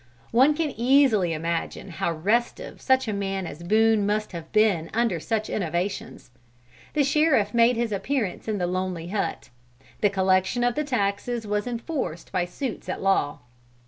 One can easily imagine how restive such a man as Boone must have been under such innovations. The sheriff made his appearance in the lonely hut; the collection of the taxes was enforced by suits at law.